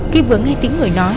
khi vừa nghe tiếng người nói